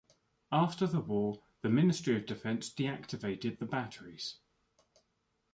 After the war, the Ministry of Defence deactivated the batteries.